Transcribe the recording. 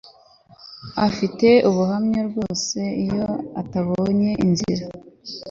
Afite ubuhamya rwose iyo atabonye inzira